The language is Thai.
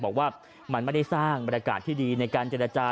บอกว่ามันไม่ได้สร้างบรรยากาศที่ดีในการเจรจา